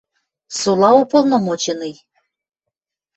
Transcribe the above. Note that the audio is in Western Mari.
– Сола уполномоченный...